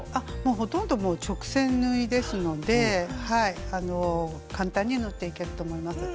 ほとんど直線縫いですので簡単に縫っていけると思います。